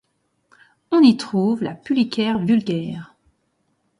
On y trouve la Pulicaire vulgaire.